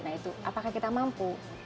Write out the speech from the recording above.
nah itu apakah kita mampu